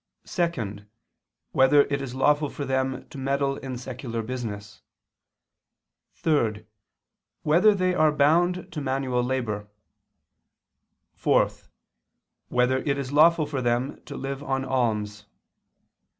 (2) Whether it is lawful for them to meddle in secular business? (3) Whether they are bound to manual labor? (4) Whether it is lawful for them to live on alms?